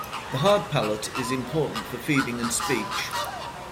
The hard palate is important for feeding and speech.